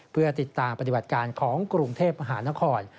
เพื่อติดตามปฏิบัติการของกรุงเทพมหานคร